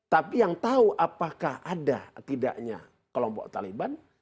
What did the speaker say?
tapi yang tahu apakah ada tidaknya kelompok taliban